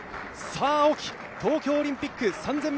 青木、東京オリンピック３０００ｍ